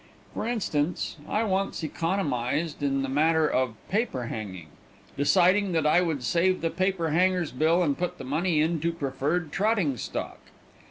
For instance, I once economized in the matter of paper hanging, deciding that I would save the paper hanger's bill and put the money into preferred trotting stock.